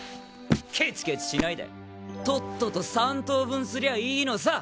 けちけちしないでとっとと３等分すりゃいいのさ。